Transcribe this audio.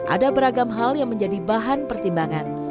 ada beragam hal yang menjadi bahan pertimbangan